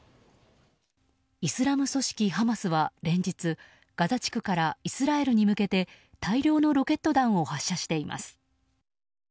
イスラム組織ハマスは連日ガザ地区からイスラエルに向けて大量のロケット弾を発射しています。